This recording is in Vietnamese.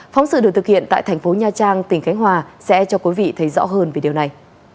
phóng sự được thực hiện tại thành phố nha trang tỉnh khánh hòa sẽ cho quý vị thấy rõ hơn về điều này